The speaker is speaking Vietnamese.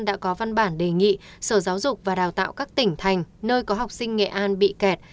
đã có văn bản đề nghị sở giáo dục và đào tạo các tỉnh thành nơi có học sinh nghệ an bị kẹt